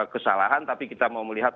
kesalahan tapi kita mau melihat